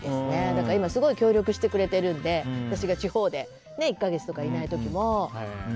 だから今すごい協力してくれてるので私が地方で１か月とかいない時も。